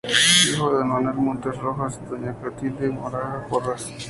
Hijo de don "Manuel Montes Rojas" y doña "Clotilde Moraga Porras".